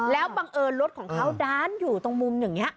แล้วบังเอิญรถของเขาด้านอยู่ตรงมุมอย่างนี้